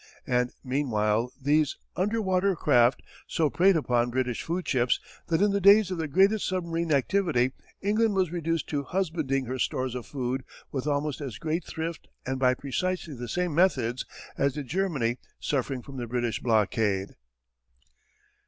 And meanwhile these underwater craft so preyed upon British foodships that in the days of the greatest submarine activity England was reduced to husbanding her stores of food with almost as great thrift and by precisely the same methods as did Germany suffering from the British blockade.